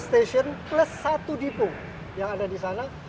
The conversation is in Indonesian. sepuluh stasiun plus satu depo yang ada di sana